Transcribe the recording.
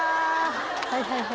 はいはい。